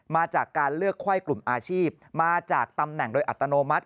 มาจากการเลือกไข้กลุ่มอาชีพมาจากตำแหน่งโดยอัตโนมัติ